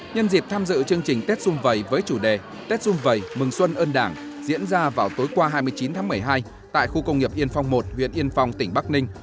nhân dịp tham dự chương trình tết xung vầy với chủ đề tết dung vầy mừng xuân ơn đảng diễn ra vào tối qua hai mươi chín tháng một mươi hai tại khu công nghiệp yên phong một huyện yên phong tỉnh bắc ninh